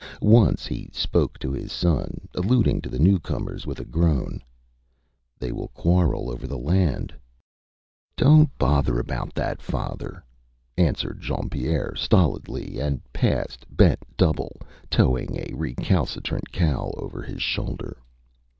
Once he spoke to his son, alluding to the newcomers with a groan: ÂThey will quarrel over the land.Â ÂDonÂt bother about that, father,Â answered Jean Pierre, stolidly, and passed, bent double, towing a recalcitrant cow over his shoulder.